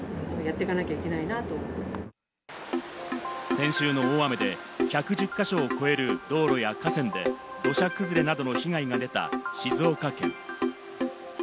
先週の大雨で１１０か所を超える道路や河川で土砂崩れなどの被害が出た静岡県。